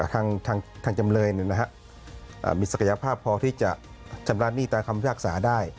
ทางจำเลยมีศักยภาพพอที่จะชำระหนี้ตามคำพิพากษาได้